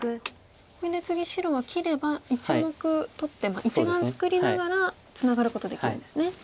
これで次白は切れば１目取って１眼作りながらツナがることできるんですね。